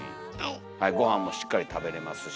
はいごはんもしっかり食べれますし。